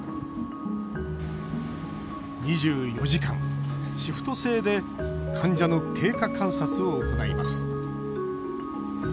２４時間、シフト制で患者の経過観察を行います。